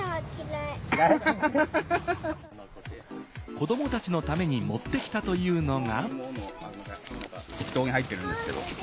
子どもたちのために持ってきたというのが。